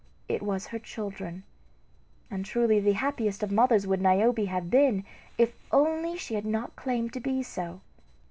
It was her children; and truly the happiest of mothers would Niobe have been if only she had not claimed to be so.